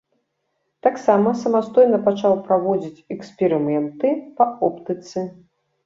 Таксама самастойна пачаў праводзіць эксперыменты па оптыцы.